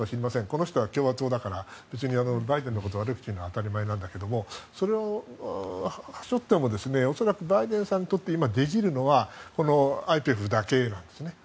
この人は共和党だからバイデンのこと悪く言うのは当たり前なんだけどそれを置いても恐らくバイデンさんにとって今できるのはＩＰＥＦだけなんですね。